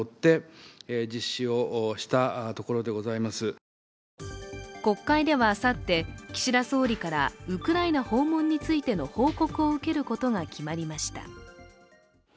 一方、国会では国会では、あさって岸田総理からウクライナ訪問についての報告を受けることが決まりました。